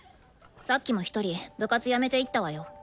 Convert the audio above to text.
さっきも１人部活辞めていったわよ。